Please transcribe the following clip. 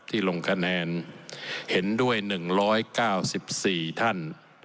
ลงคะแนนเห็นด้วย๑๙๔ท่าน